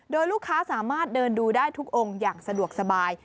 โดยลูกค้าสามารถเดินดูได้ทุกองค์อย่างสะดวกสบาย